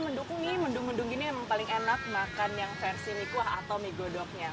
mendukungi mendung mendung ini memang paling enak makan yang versi miku atau mie go dognya